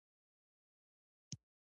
د کاروبار او دندې هېڅ يادونه يې نه وه کړې.